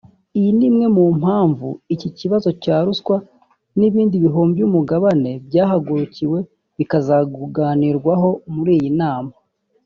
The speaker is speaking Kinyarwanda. Iyi ni imwe mu mpamvu ikibazo cya ruswa n’ibindi bihombya umugabane byahagurukiwe bikazanaganirwaho muri iyi nama